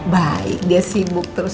baik dia sibuk terus